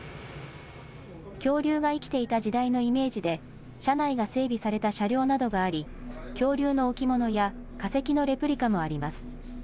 恐竜が生きていた時代のイメージで車内が整備された車両などがあり恐竜の置物や化石のレプリカもあります。